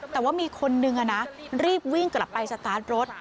แต่ว่ามีคนนึงรีบวิ่งกลับไปสตาร์ทรถ